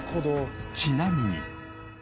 ちなみに。